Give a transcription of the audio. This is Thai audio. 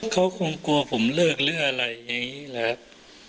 เขาคงกลัวผมเลิกหรืออะไรอย่างนี้แหละ